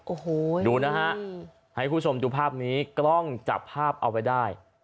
โอ้โหดูนะฮะให้คุณผู้ชมดูภาพนี้กล้องจับภาพเอาไว้ได้